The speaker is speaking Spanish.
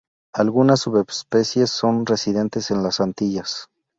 Algunas subespecies son residentes en las Antillas.